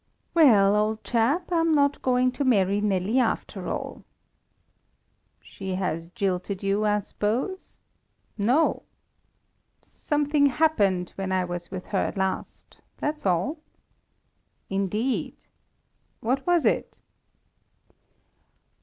"Well, old chap, I'm not going to marry Nelly after all." "She has jilted you, I suppose?" "No. Something happened when I was with her last, that's all." "Indeed! What was it?"